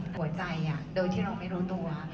หัวใจโดยที่เราไม่รู้ตัว